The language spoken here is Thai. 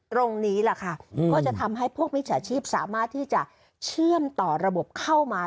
ตรงนี้แหละค่ะก็จะทำให้พวกมิจฉาชีพสามารถที่จะเชื่อมต่อระบบเข้ามา